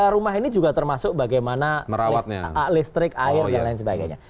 rumah ini juga termasuk bagaimana listrik air dan lain sebagainya